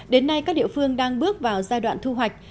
đến nay các địa phương đang bước vào giai đoạn thu hoạch